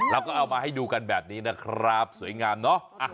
เราก็เอามาให้ดูกันแบบนี้นะครับสวยงามเนอะ